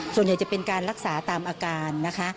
ส่วนใหญ่จะเป็นการรักษาตามอาการนะคะ